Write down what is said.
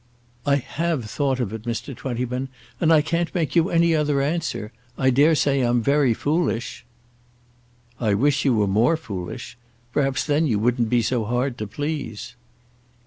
"I have thought of it, Mr. Twentyman, and I can't make you any other answer. I dare say I'm very foolish." "I wish you were more foolish. Perhaps then you wouldn't be so hard to please."